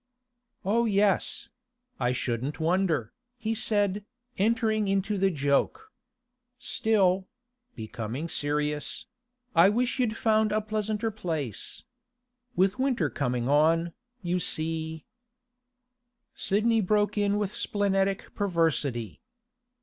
'Oh yes; I shouldn't wonder,' he said, entering into the joke. 'Still'—becoming serious—'I wish you'd found a pleasanter place. With the winter coming on, you see—' Sidney broke in with splenetic perversity.